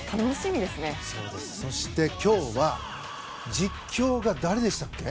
そして、今日は実況が誰でしたっけ？